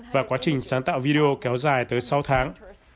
và quá trình sáng tạo video kéo dài tới sáu tháng